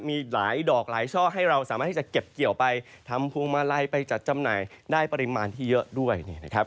มีหลายดอกหลายช่อให้เราสามารถที่จะเก็บเกี่ยวไปทำพวงมาลัยไปจัดจำหน่ายได้ปริมาณที่เยอะด้วยนะครับ